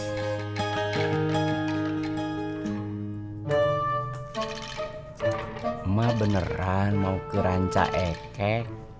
mama beneran mau ke ranca ekek